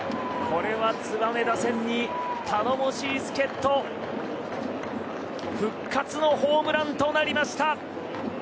これは燕打線に頼もしい助っ人復活のホームランとなりました！